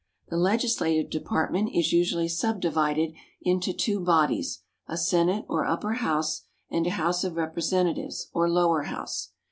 The Legislative department is usually subdivided into two bodies, a Senate or Upper House and a House of Representatives or Lower House.